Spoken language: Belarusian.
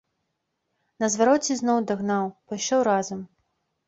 На звароце зноў дагнаў, пайшоў разам.